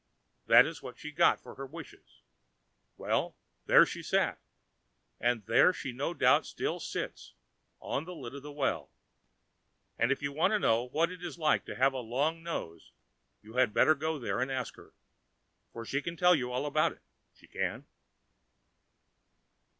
That is what she got for her wishes! Well, there she sat, and there she no doubt still sits, on the lid of the well. And if you want to know what it is to have a long nose, you had better go there and ask her, for she can tell you all about it, she can.